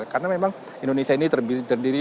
karena memang indonesia ini terdiri